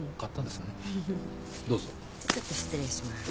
じゃあちょっと失礼します。